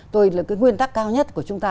tôi là cái nguyên tắc cao nhất của chúng ta